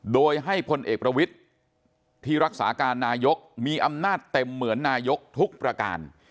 โดยให้พลเอกประวิทธิ์ที่รักษาการนายกมีอำนาจเต็มเหมือนนายกทุกประการ